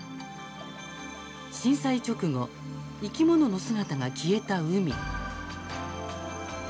震災直後、生き物の姿が消えた海。